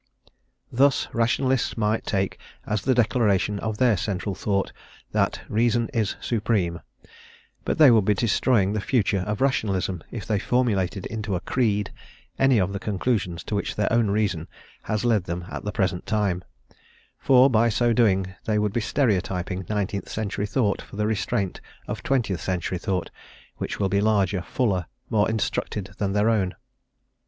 Thus, Rationalists might take as the declaration of their central thought, that "reason is supreme," but they would be destroying the future of Rationalism if they formulated into a creed any of the conclusions to which their own reason has led them at the present time, for by so doing they would be stereotyping nineteenth century thought for the restraint of twentieth century thought, which will be larger, fuller, more instructed than their own.